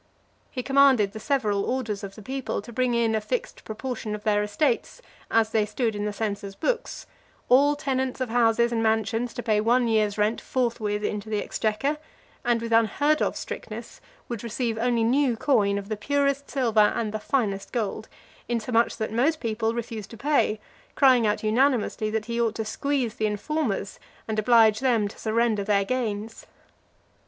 He commanded the several orders of the people to bring in a fixed proportion of their estates, as they stood in the censor's books; all tenants of houses and mansions to pay one year's rent forthwith into the exchequer; and, with unheard of strictness, would receive only new coin of the purest silver and the finest gold; insomuch that most people refused to pay, crying out unanimously that he ought to squeeze the informers, and oblige them to surrender their gains.